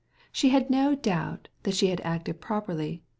She had no doubt that she had acted rightly.